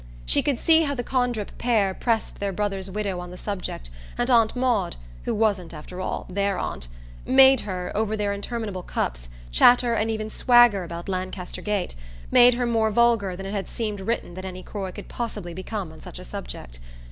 She could see how the Condrip pair pressed their brother's widow on the subject of Aunt Maud who wasn't, after all, THEIR aunt; made her, over their interminable cups, chatter and even swagger about Lancaster Gate, made her more vulgar than it had seemed written that any Croy could possibly become on such a subject.